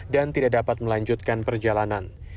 dan tidak dapat melanjutkan perjalanan